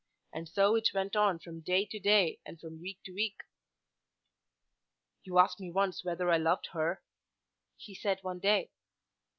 And so it went on from day to day and from week to week. "You asked me once whether I loved her," he said one day.